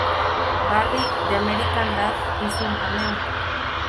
Barry de "American Dad" hizo un cameo.